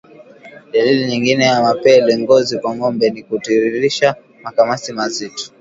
Dalili nyingine ya mapele ya ngozi kwa ngombe ni kutiririsha makamasi mazito